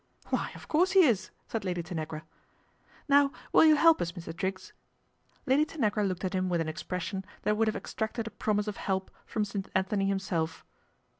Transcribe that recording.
"Why, of course he is," said Lady Tanagra. " Now will you help us, Mr. Triggs ?" Lady Tanagra looked at him with an expres sion that would have extracted a promise of help from St. Anthony himself.